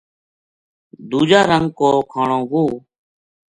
دُوجا رنگ کو کھانو وُہ